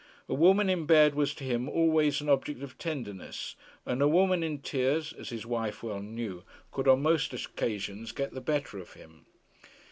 A woman in bed was to him always an object of tenderness, and a woman in tears, as his wife well knew, could on most occasions get the better of him.